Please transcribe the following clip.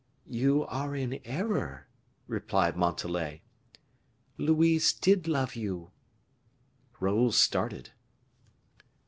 "You are in error," replied Montalais; "Louise did love you." Raoul started.